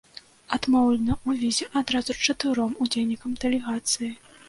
Адмоўлена ў візе адразу чатыром удзельнікам дэлегацыі.